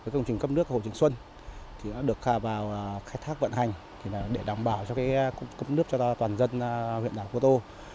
công trình cấp nước hồ trường xuân được khai vào khách thác vận hành để đảm bảo cấp nước cho toàn dân huyện đảo cô tô